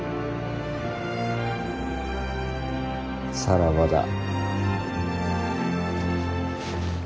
さらばだ。